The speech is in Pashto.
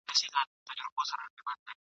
د یوه په مفهوم لا نه یم پوه سوی !.